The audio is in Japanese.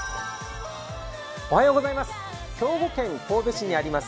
兵庫県神戸市にあります